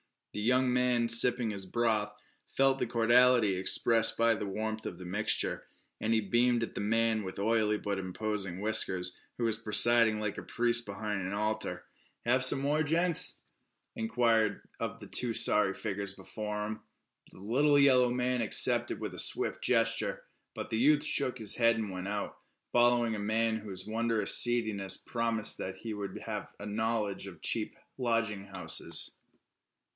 The young man, sipping his broth, felt the cordiality expressed by the warmth of the mixture, and he beamed at the man with oily but imposing whiskers, who was presiding like a priest behind an altar. "Have some more, gents?" he inquired of the two sorry figures before him. The little yellow man accepted with a swift gesture, but the youth shook his head and went out, following a man whose wondrous seediness promised that he would have a knowledge of cheap lodging houses.